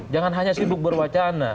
jangan hanya sibuk berwacana